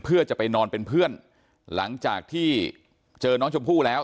เพื่อจะไปนอนเป็นเพื่อนหลังจากที่เจอน้องชมพู่แล้ว